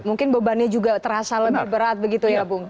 mungkin bebannya juga terasa lebih berat begitu ya bung